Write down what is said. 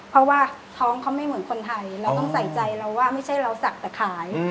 เพราะว่าท้องเขาไม่เหมือนคนไทยเราต้องใส่ใจเราว่าไม่ใช่เราสักแต่ขาย